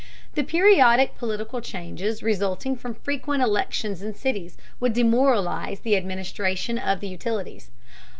The periodic political changes resulting from frequent elections in cities would demoralize the administration of the utilities.